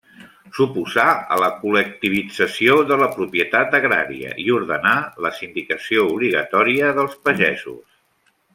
S'oposà a la col·lectivització de la propietat agrària i ordenà la sindicació obligatòria dels pagesos.